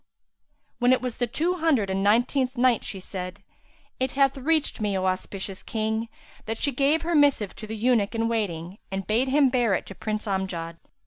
When it was the Two Hundred and Nineteenth Night, She said, It hath reached me, O auspicious King, that she gave her missive to the eunuch in waiting and bade him bear it to Prince Amjad.